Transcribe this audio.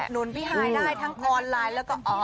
ได้ทั้งเออนไลน์และอ๋อ